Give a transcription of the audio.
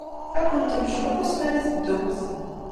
Ad kent-nejjem akk asmi ara teddumt.